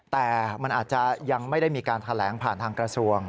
แต่มันอาจจะยังไม่ได้มีการแถลงผ่านทางกระทรวง